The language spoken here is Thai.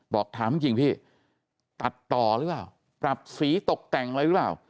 บอกถามจริงพี่ตัดต่อหรือเปล่าปรับสีตกแต่งอะไรหรือเปล่า